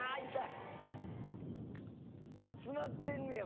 あっつまってんねや！